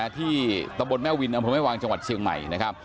ที่ตะบนแม่วินอำเภอแม่วางจังหวัดเชียงใหม่นะครับ